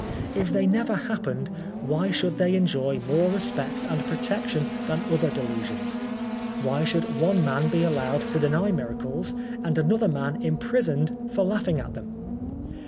If they never happened, why should they enjoy more respect and protection than other delusions ? Why should one man be allowed to deny miracles, and another man imprisoned for laughing at them